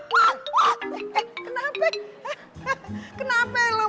bantunya kita kelas